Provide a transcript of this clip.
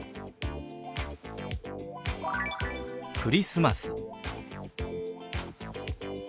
「クリスマス」。